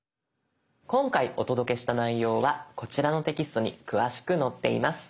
今回お届けした内容はこちらのテキストに詳しく載っています。